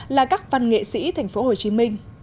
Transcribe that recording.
văn nghệ sĩ tp hcm